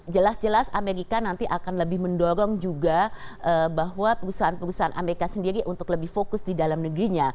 jelas jelas amerika nanti akan lebih mendorong juga bahwa perusahaan perusahaan amerika sendiri untuk lebih fokus di dalam negerinya